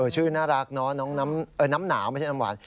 ชื่อน่ารักเนาะน้องน้ำหนาวไม่ใช่น้ำหวาน